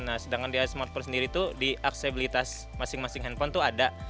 nah sedangkan dia smartphone sendiri itu di aksesibilitas masing masing handphone itu ada